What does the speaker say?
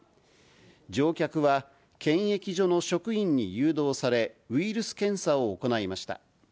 乗客は検疫所の職員に誘導され、ウイルス検査を行いました。